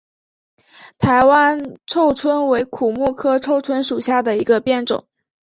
台湾臭椿为苦木科臭椿属下的一个变种。